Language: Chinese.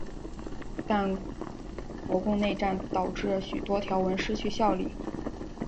但国共内战导致许多条文失去效力。